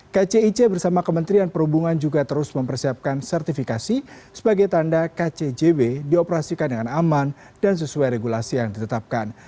kcic bersama kementerian perhubungan juga terus mempersiapkan sertifikasi sebagai tanda kcjb dioperasikan dengan aman dan sesuai regulasi yang ditetapkan